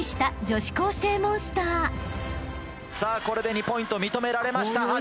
これで２ポイント認められました。